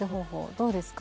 どうですか？